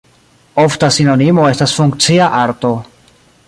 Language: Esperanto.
Ofta sinonimo estas funkcia arto.